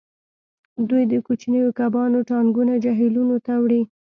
دوی د کوچنیو کبانو ټانکونه جهیلونو ته وړي